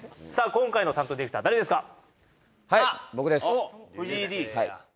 今回の担当ディレクター誰ですか？